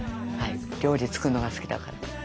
料理作るのが好きだから。